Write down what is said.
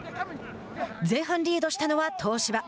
前半リードしたのは東芝。